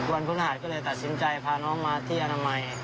พฤหัสก็เลยตัดสินใจพาน้องมาที่อนามัย